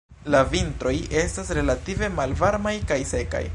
La vintroj estas relative malvarmaj kaj sekaj.